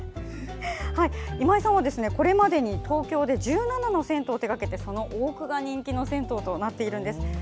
今井さんはこれまでに東京で１７の銭湯を手がけて、その多くが人気の銭湯となっています。